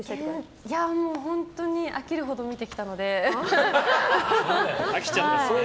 本当に飽きるほど見てきたので。